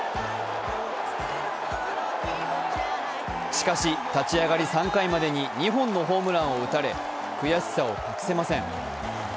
しかし、立ち上がり３回までに２本のホームランを打たれ悔しさを隠せません。